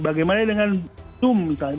bagaimana dengan zoom misalnya